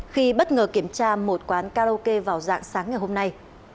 khi bất ngờ kiểm tra một quán karaoke vào dạng sáng ngày hôm nay